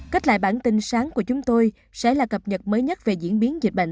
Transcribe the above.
cách lại bản tin sáng của chúng tôi sẽ là cập nhật mới nhất về diễn biến dịch bệnh